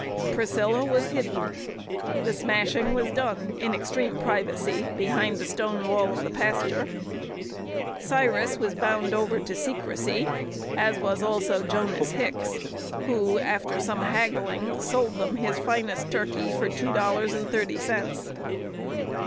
Priscilla was hidden. The "smashing" was done in extreme privacy behind the stone wall of the pasture. Cyrus was bound over to secrecy, as was also Jonas Hicks, who, after some haggling, sold them his finest turkey for two dollars and thirty cents.